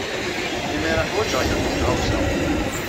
Imir-a, ḥwajeɣ yiwet n tɣawsa.